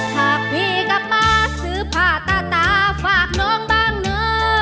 หากพี่กลับมาซื้อผ้าตาตาฝากน้องบ้างเนอะ